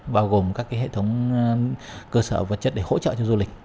bao gồm các hệ thống cơ sở vật chất để hỗ trợ cho du lịch